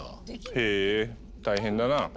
へえ大変だな。